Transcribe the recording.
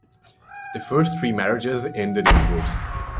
The first three marriages ended in divorce.